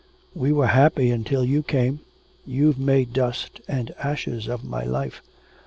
'We were happy until you came... you've made dust and ashes of my life.